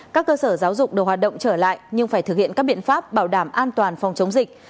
các cơ sở giáo dục đều hoạt động trở lại nhưng phải thực hiện các biện pháp bảo đảm an toàn phòng chống dịch